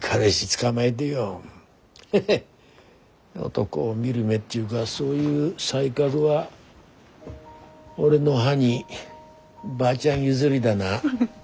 男を見る目っていうかそういう才覚は俺のハニーばあちゃん譲りだな。